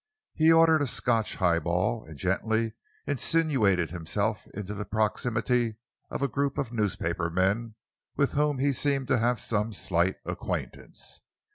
He ordered a Scotch highball, and gently insinuated himself into the proximity of a group of newspaper men with whom he seemed to have some slight acquaintance.